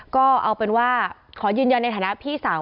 ก็เอาเป็นว่าขอยืนยันในฐานะพี่สาว